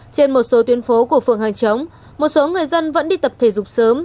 trên một số tuyến phố của phường hàng chống một số người dân vẫn đi tập thể dục sớm